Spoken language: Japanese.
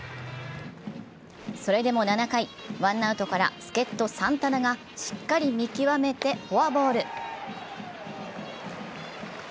それでも７回、ワンアウトから助っと・サンタナがしっかり見極めてフォアボール。